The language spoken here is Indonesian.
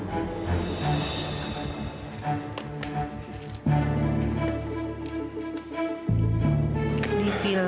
kamu tak ingin berniat